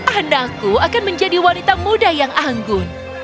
hendakku akan menjadi wanita muda yang anggun